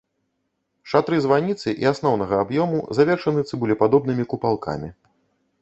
Шатры званіцы і асноўнага аб'ёму завершаны цыбулепадобнымі купалкамі.